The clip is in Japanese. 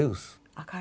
明るい。